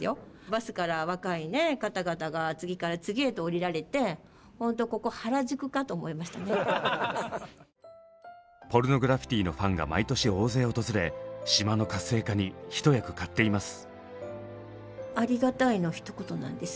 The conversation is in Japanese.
バスから若いね方々が次から次へと降りられてポルノグラフィティのファンが毎年大勢訪れ島の活性化に一役買っています。